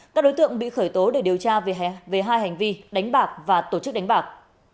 các đối tượng bị khởi tố để điều tra về hai hành vi đánh bạc và tổ chức đánh bạc